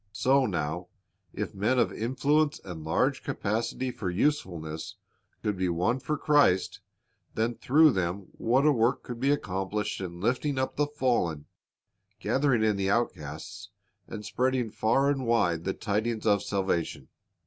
So now, if men of influence and large capacity for usefulness could be won for Christ, then through them what a work could be accomplished in lifting up the fallen, gathering in the outcasts, and spreading far and wide the tidings of salvation.